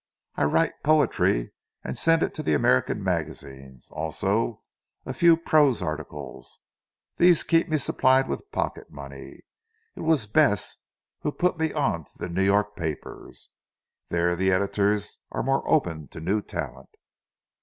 I write poetry and send it to the American magazines, also a few prose articles. These keep me supplied with pocket money. It was Bess who put me on to the New York papers. There, the editors are more open to new talent."